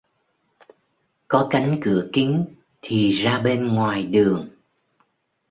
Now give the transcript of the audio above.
Có cánh cửa kính thì ra bên ngoài đường